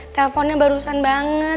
teleponnya barusan banget